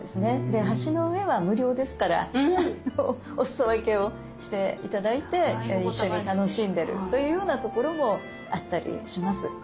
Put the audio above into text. で橋の上は無料ですからお裾分けをして頂いて一緒に楽しんでるというようなところもあったりします。